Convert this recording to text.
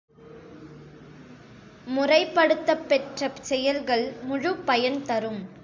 முறைப்படுத்தப்பெற்ற செயல்கள் முழுப் பயன்தரும்.